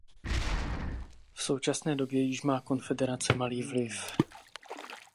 V současné době již má Konfederace malý vliv.